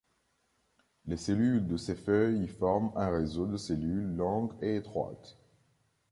Les cellules de ces feuilles y forment un réseau de cellules longues et étroites.